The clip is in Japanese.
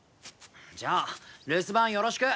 じゃあ留守番よろしく！